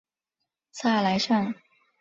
萨莱尚。